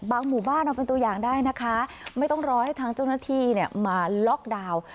หมู่บ้านเอาเป็นตัวอย่างได้นะคะไม่ต้องรอให้ทางเจ้าหน้าที่มาล็อกดาวน์